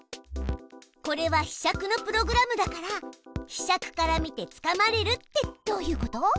これはひしゃくのプログラムだからひしゃくから見てつかまれるってどういうこと？